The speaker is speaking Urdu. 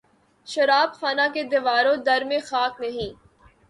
شراب خانہ کے دیوار و در میں خاک نہیں